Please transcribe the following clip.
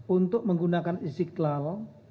untuk menggunakan istiqlal